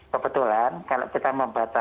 kebetulan kalau kita membaca